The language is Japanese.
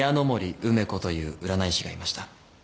守ウメ子という占い師がいました。